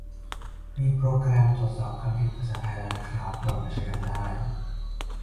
มีโปรแกรมตรวจสอบคำผิดภาษาไทยแล้วนะครับ โหลดมาใช้กันได้